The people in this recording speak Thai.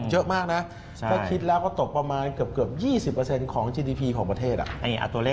จริงแล้วเรามูลค่าตกแล้ว